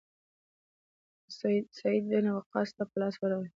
سعد بن وقاص ته په لاس ورغی.